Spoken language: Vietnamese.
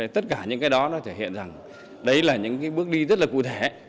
tất cả những cái đó nó thể hiện rằng đấy là những bước đi rất là cụ thể